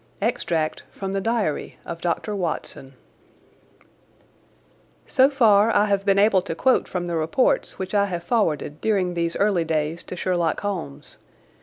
Extract from the Diary of Dr. Watson So far I have been able to quote from the reports which I have forwarded during these early days to Sherlock Holmes.